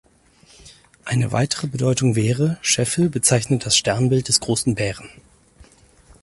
Eine weitere Bedeutung wäre: Scheffel bezeichnet das Sternbild des großen Bären.